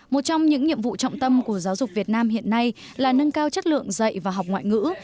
một trong những nhiệm vụ trọng tâm của giáo dục việt nam hiện nay là nâng cao chất lượng dạy và học ngoại ngữ